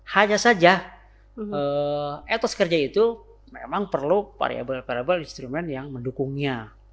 hanya saja etos kerja itu memang perlu variable variable instrumen yang mendukungnya